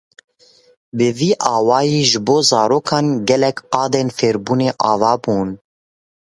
Bi vî awayî ji bo zarokan gelek qadên fêrbûnê ava bûn.